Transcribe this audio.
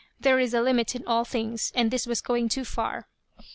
There is a limit in all things, and this was going too far.